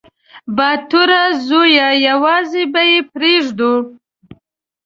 _باتوره زويه! يوازې به يې پرېږدو.